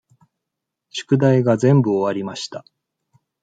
宿題が全部終わりました。